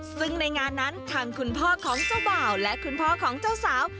ซึ่งในงานนั้นทางคุณพ่อของเจ้าบ่าวและคุณพ่อของเจ้าสาว